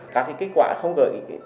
các cái kết quả không gợi